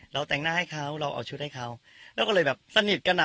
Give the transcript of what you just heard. แต่งหน้าให้เขาเราเอาชุดให้เขาเราก็เลยแบบสนิทกันอ่ะ